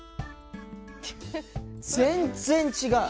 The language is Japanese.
全然違う。